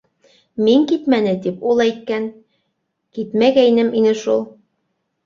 Мин китмәне тип ул әйткән, Китмәгәйнем ине шул